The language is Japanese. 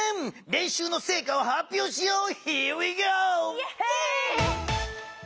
れんしゅうのせいかをはっぴょうしよう！